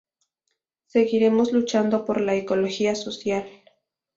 seguiremos luchando por la ecología social.